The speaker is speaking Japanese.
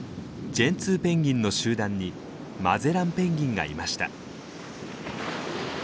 ジェンツーペンギンの集団にマゼランペンギンがいました。